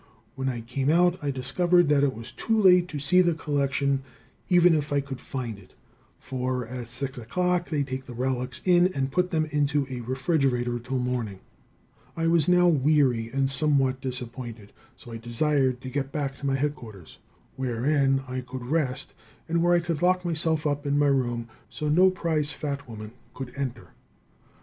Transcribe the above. When I came out I discovered that it was too late to see the collection, even if I could find it, for at 6 o'clock they take the relics in and put them into a refrigerator till morning. [Illustration: TAKING A PRIZE.] I was now weary and somewhat disappointed, so I desired to get back to my headquarters, wherein I could rest and where I could lock myself up in my room, so no prize fat woman could enter.